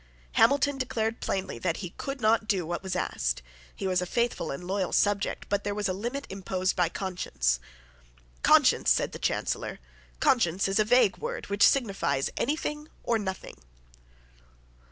Hamilton declared plainly that he could not do what was asked. He was a faithful and loyal subject; but there was a limit imposed by conscience. "Conscience!" said the Chancellor: "conscience is a vague word, which signifies any thing or nothing."